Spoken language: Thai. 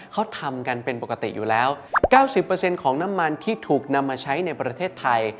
เขาทำกันเป็นปกติอยู่แล้ว๙๐ของน้ำมันที่ถูกนำมาใช้ในประเทศไทย